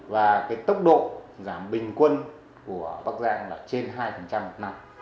và cái tốc độ giảm bình quân của bắc giang là trên hai một năm